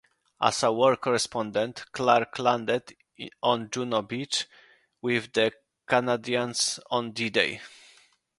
As a war correspondent, Clark landed on Juno Beach with the Canadians on D-Day.